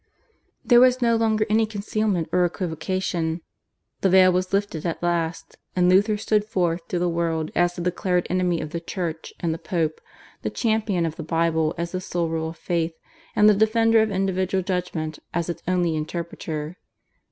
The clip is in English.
There was no longer any concealment or equivocation. The veil was lifted at last, and Luther stood forth to the world as the declared enemy of the Church and the Pope, the champion of the Bible as the sole rule of faith, and the defender of individual judgment as its only interpreter.